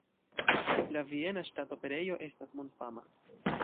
La Viena Ŝtata Operejo estas mondfama.